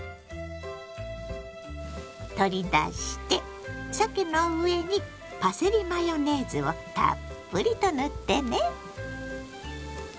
取り出してさけの上にパセリマヨネーズをたっぷりと塗ってね。